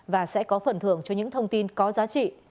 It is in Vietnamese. và sẽ có phần thưởng cho những thông tin có giá trị